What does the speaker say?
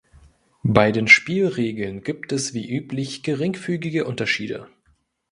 Bei den Spielregeln gibt es wie üblich geringfügige Unterschiede.